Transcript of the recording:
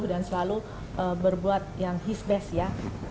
dan selalu berbuat yang his best ya